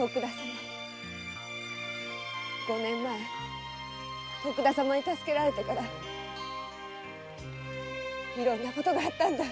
五年前徳田様に助けられてからいろいろな事があったんだ。